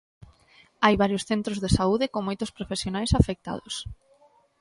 Hai varios centros de saúde con moitos profesionais afectados.